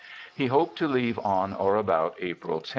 He hoped to leave on or about April 10.